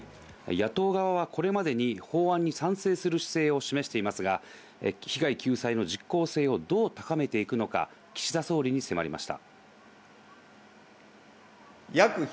野党側はこれまでに法案に賛成する姿勢を示していますが、被害救済の実効性をどう高めていくのか、岸田総理に迫りました。